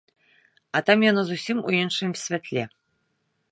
А там яно зусім у іншым святле.